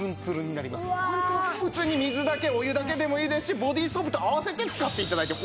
普通に水だけお湯だけでもいいですしボディーソープと合わせて使って頂いても。